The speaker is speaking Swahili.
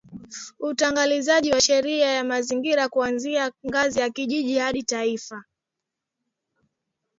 Utekelezaji wa sheria ya mazingira kuanzia ngazi ya kijiji hadi taifa